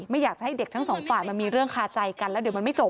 ไม่อยากจะให้เด็กทั้งสองฝ่ายมันมีเรื่องคาใจกันแล้วเดี๋ยวมันไม่จบ